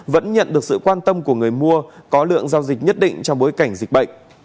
vẫn nhận được sự quan tâm của người mua có lượng giao dịch nhất định trong bối cảnh dịch bệnh